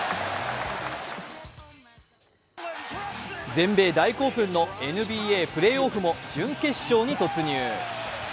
全米大興奮のＮＢＡプレーオフも準決勝に突入。